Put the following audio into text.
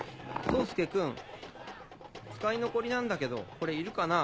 宗介くん使い残りなんだけどこれいるかな？